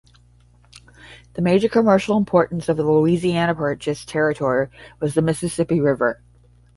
The major commercial importance of the Louisiana Purchase territory was the Mississippi River.